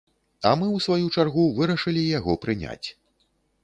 А мы, у сваю чаргу, вырашылі яго прыняць.